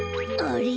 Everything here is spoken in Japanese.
あれ？